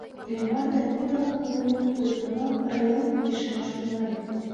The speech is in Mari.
Иллимар да пий-влакым ужмек, тудо тунамак ырлен лишемаш тӱҥале.